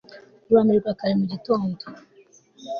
Kurambirwa kare mu gitondo